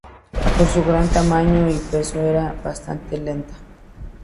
Por su gran tamaño y peso era bastante lenta.